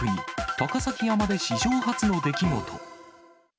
高崎山で史上初の出来事。